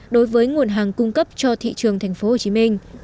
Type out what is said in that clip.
đối với nguồn hàng cung cấp cho thị trường thành phố hồ chí minh